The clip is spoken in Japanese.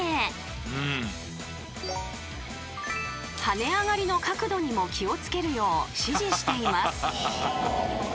［跳ね上がりの角度にも気を付けるよう指示しています］